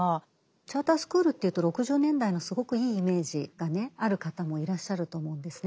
チャータースクールというと６０年代のすごくいいイメージがある方もいらっしゃると思うんですね。